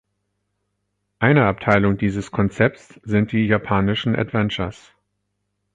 Eine Ableitung dieses Konzepts sind die Japanischen Adventures.